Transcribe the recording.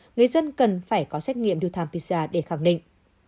người dân cần phải có xét nghiệm ritam pcr để khẳng định